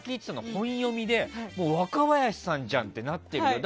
本読みでもう若林さんじゃん！ってなってるよって。